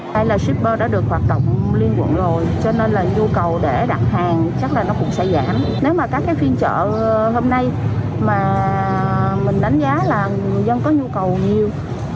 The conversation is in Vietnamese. đây là shipper đã được hoạt động liên quận rồi